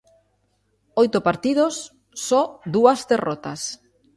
Oito partidos, só dúas derrotas.